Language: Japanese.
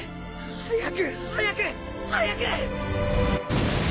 早く！早く！早く！